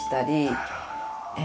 なるほど。